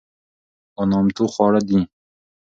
او نامتو خواړه دي،